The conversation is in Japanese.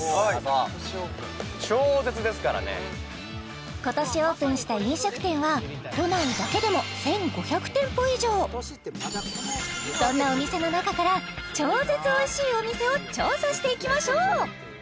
今年オープン超絶ですからね今年オープンした飲食店は都内だけでも１５００店舗以上そんなお店の中から超絶おいしいお店を調査していきましょう！